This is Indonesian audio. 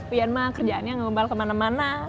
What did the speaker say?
uian mah kerjaannya ngebal kemana mana